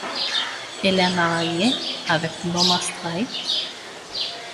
Il est marié avec Norma Strait.